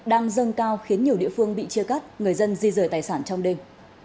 nước dần cao khiến nhiều địa phương bị chia cắt người dân di rời tài sản trong đêm